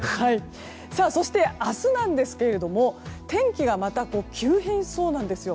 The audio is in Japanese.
そして、明日なんですけれども天気がまた急変しそうなんです。